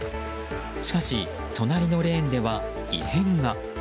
しかし、隣のレーンでは異変が。